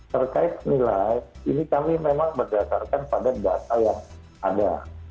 terkait nilai ini kami memang berdasarkan pada data yang ada